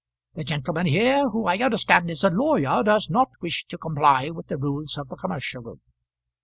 The gentleman here, who I understand is a lawyer, does not wish to comply with the rules of the commercial room."